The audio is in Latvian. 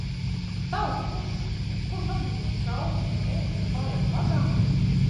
Tauta, kuš! Kurš atbrīvos traukus no ēdiena palieku važām?